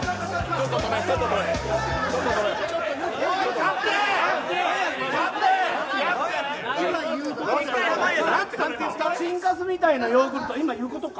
ちんかすみたいなヨーグルト、今言うことか。